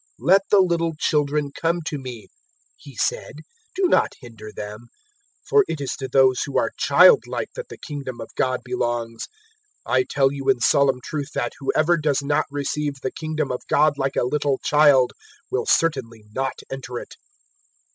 "Let the little children come to me," He said; "do not hinder them; for it is to those who are childlike that the Kingdom of God belongs. 018:017 I tell you in solemn truth that, whoever does not receive the Kingdom of God like a little child will certainly not enter it."